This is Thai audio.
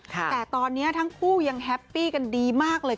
แต่ตอนนี้ทั้งคู่ยังแฮปปี้กันดีมากเลย